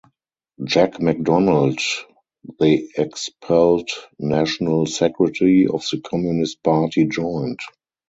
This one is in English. Jack MacDonald, the expelled National Secretary of the Communist Party, joined.